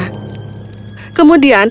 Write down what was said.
kemudian mereka mempersembahkannya ke mereka